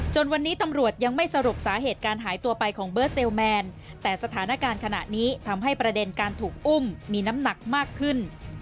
วันนี้ตำรวจยังไม่สรุปสาเหตุการหายตัวไปของเบิร์ดเซลแมนแต่สถานการณ์ขณะนี้ทำให้ประเด็นการถูกอุ้มมีน้ำหนักมากขึ้น